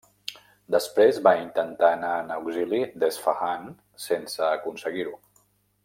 Després va intentar anar en auxili d'Esfahan sense aconseguir-ho.